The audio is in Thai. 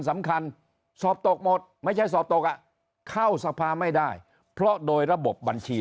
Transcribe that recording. สำคัญสอบตกหมดไม่ใช่สอบตกอ่ะเข้าสภาไม่ได้เพราะโดยระบบบัญชี